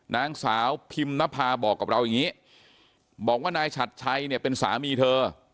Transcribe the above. นางสาวพิมนภาบอกกับเราอย่างนี้บอกว่านายฉัดชัยเนี่ยเป็นสามีเธอ